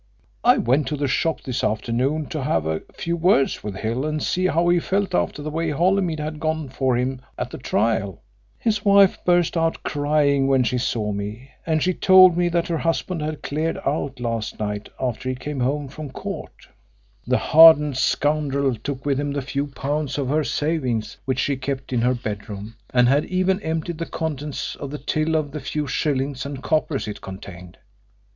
I went to the shop this afternoon to have a few words with Hill and see how he felt after the way Holymead had gone for him at the trial. His wife burst out crying when she saw me, and she told me that her husband had cleared out last night after he came home from court. The hardened scoundrel took with him the few pounds of her savings which she kept in her bedroom, and had even emptied the contents of the till of the few shillings and coppers it contained.